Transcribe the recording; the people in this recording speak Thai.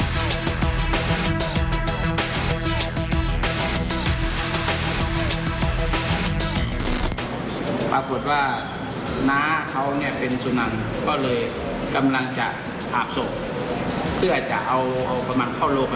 บังคุณว่าน้าเขาเป็นสุนันกำลังจะปากสกเพื่อจะเข้าลง